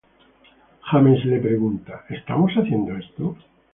James le pregunta: "¿Estamos haciendo esto?